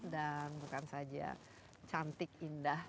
dan bukan saja cantik indah